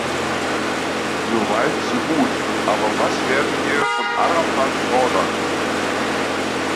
So weit so gut, aber was werden wir von Arafat fordern?